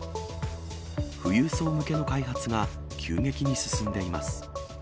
富裕層向けの開発が急激に進んでいます。